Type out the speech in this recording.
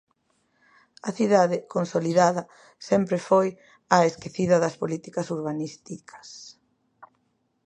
A cidade consolidada sempre foi a esquecida das políticas urbanísticas.